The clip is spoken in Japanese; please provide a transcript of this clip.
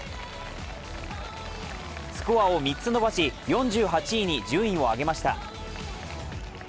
スコアを３つ伸ばし４８位に順位を上げました。